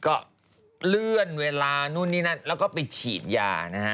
ก็เรื่อนเวลานู่นนี่นั่น